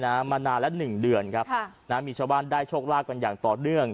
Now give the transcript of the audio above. นานและ๑เดือนครับมีชาวบ้านได้โชคลาก่อนอย่างต่อเนื่อง